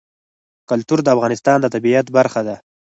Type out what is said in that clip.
کلتور د افغانستان د طبیعت برخه ده.